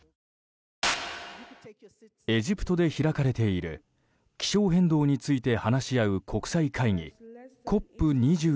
エジプトで開かれている気象変動について話し合う国際会議ＣＯＰ２７。